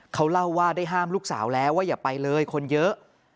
เขาเล่าว่าได้ห้ามลูกสาวแล้วว่าอย่าไปเลยคนเยอะ